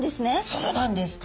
そうなんです。